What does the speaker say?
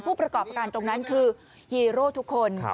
ผู้ประกอบการตรงนั้นคือฮีโร่ทุกคน